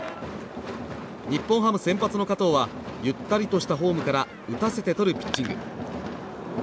日本ハム先発の加藤はゆったりとしたフォームから打たせてとるピッチング。